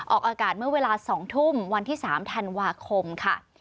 ออกอากาศเมื่อเวลา๒ทุ่มวันที่๓ธันวาคมค่ะ